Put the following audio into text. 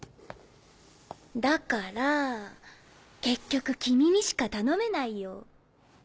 だから結局君にしか頼めないよ。